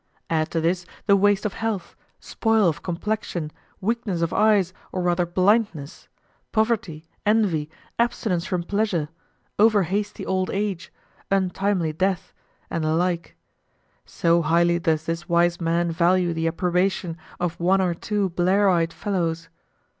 Add to this the waste of health, spoil of complexion, weakness of eyes or rather blindness, poverty, envy, abstinence from pleasure, over hasty old age, untimely death, and the like; so highly does this wise man value the approbation of one or two blear eyed fellows.